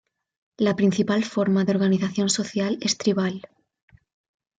La principal forma de organización social es tribal.